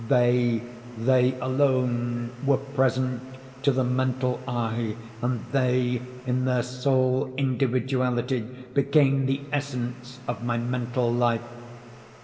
They—they alone were present to the mental eye, and they, in their sole individuality, became the essence of my mental life.